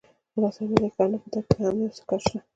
ملا صاحب وویل ښه! نو په تا کې هم یو څه کار شته.